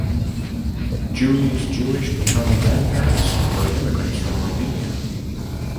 Julie's Jewish paternal grandparents were immigrants from Romania.